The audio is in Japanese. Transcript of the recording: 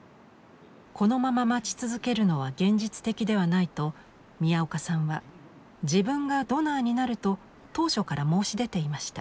このまま待ち続けるのは現実的ではないと宮岡さんは自分がドナーになると当初から申し出ていました。